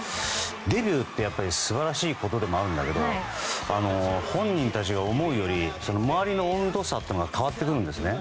デビューって素晴らしいことでもあるんだけど本人たちが思うより周りの温度差というのが変わってくるんですね。